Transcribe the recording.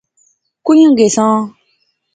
کوئیاں گیساں؟